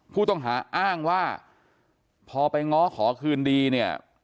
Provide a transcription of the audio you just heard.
ผู้ต้องหาอ้างว่าพอไปง้อขอคืนดีเนี่ย